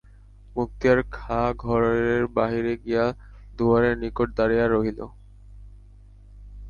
মুক্তিয়ার খাঁ ঘরের বাহিরে গিয়া দুয়ারের নিকট দাঁড়াইয়া রহিল।